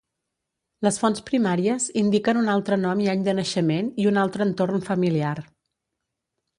Les fonts primàries indiquen un altre nom i any de naixement i un altre entorn familiar.